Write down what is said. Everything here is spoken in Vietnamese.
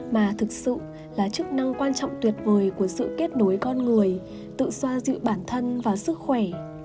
mà thực sự là chức năng quan trọng tuyệt vời của sự kết nối con người tự xoa dịu bản thân và sức khỏe